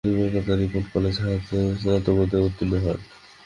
তিনি Kolkata Ripon College হতে স্নাতক উত্তীর্ণ হন।